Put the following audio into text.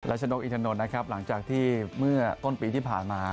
ชนกอินทนนท์นะครับหลังจากที่เมื่อต้นปีที่ผ่านมา